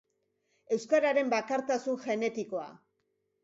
Euskararen bakartasun genetikoa.